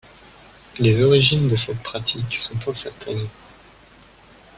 Les origines de cette pratique sont incertaines.